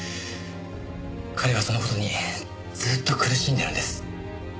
彼はその事にずっと苦しんでるんです。